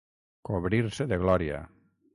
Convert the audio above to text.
Cobrir-se de glòria.